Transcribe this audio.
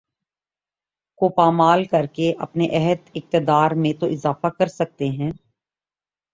کو پامال کرکے اپنے عہد اقتدار میں تو اضافہ کر سکتے ہیں